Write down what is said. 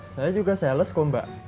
saya juga sales kok mbak